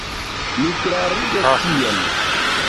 Mi klarigos tion.